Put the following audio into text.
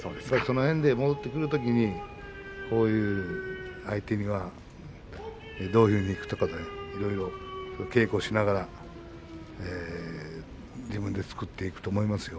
戻ってくるときにこういう相手にはどういうふうにいくとか稽古しながら自分で作っていくと思いますよ。